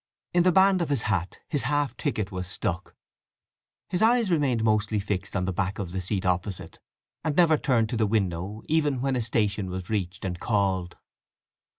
In the band of his hat his half ticket was stuck. His eyes remained mostly fixed on the back of the seat opposite, and never turned to the window even when a station was reached and called.